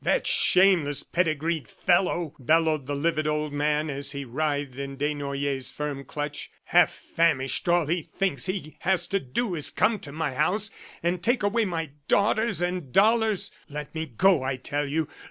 "That shameless pedigreed fellow!" bellowed the livid old man as he writhed in Desnoyers' firm clutch. "Half famished, all he thinks he has to do is to come to my house and take away my daughters and dollars. ... Let me go, I tell you!